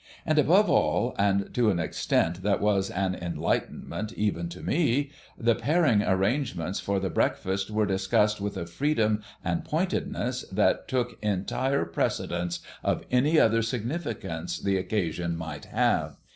And above all, and to an extent that was an enlightenment even to me, the pairing arrangements for the breakfast were discussed with a freedom and pointedness that took entire precedence of any other significance the occasion might have.